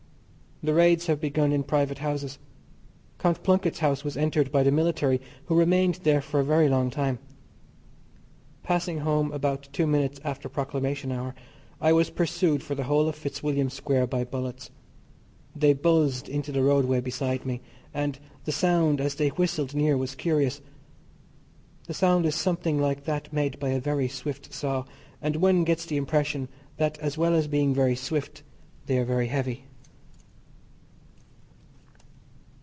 The raids have begun in private houses. Count Plunkett's house was entered by the military who remained there for a very long time. Passing home about two minutes after Proclamation hour I was pursued for the whole of Fitzwilliam Square by bullets. They buzzed into the roadway beside me, and the sound as they whistled near was curious. The sound is something like that made by a very swift saw, and one gets the impression that as well as being very swift they are very heavy.